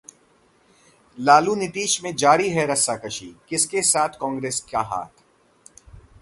लालू-नीतीश में जारी है रस्साकशी, किसके साथ कांग्रेस का 'हाथ'?